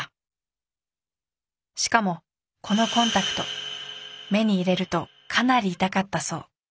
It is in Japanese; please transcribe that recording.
しかもこのコンタクト目に入れるとかなり痛かったそう。